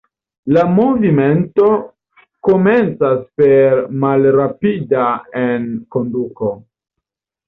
La movimento komencas per malrapida enkonduko.